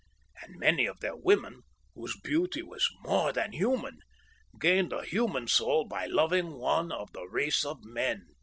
And many of their women, whose beauty was more than human, gained a human soul by loving one of the race of men.